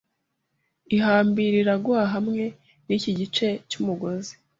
Ihambire Iraguha hamwe niki gice cyumugozi.